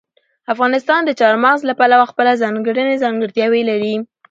افغانستان د چار مغز له پلوه خپله ځانګړې ځانګړتیاوې لري.